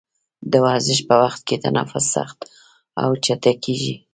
د ورزش په وخت کې تنفس سخت او چټکېږي.